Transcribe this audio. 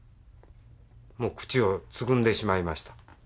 もう口をつぐんでしまいました。